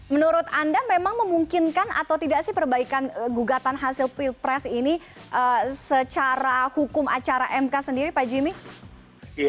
menurut anda memang memungkinkan atau tidak sih perbaikan gugatan hasil pilpres ini secara hukum acara mk sendiri pak jimmy